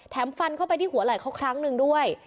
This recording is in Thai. ฟันเข้าไปที่หัวไหล่เขาครั้งหนึ่งด้วย